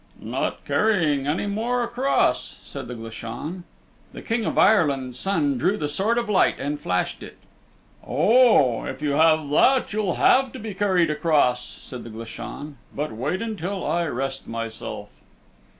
"Not carrying any more across," said the Glashan. The King of Ireland's Son drew the Sword of Light and flashed it. "Oh, if you have that, you'll have to be carried across," said the Glashan. "But wait until I rest myself."